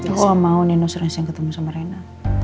oh mau nino sering sering ketemu sama rena